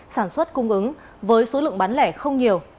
sản xuất cung ứng với số lượng bán lẻ không nhiều